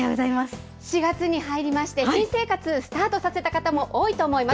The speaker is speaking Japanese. ４月に入りまして、新生活スタートさせた方も多いと思います。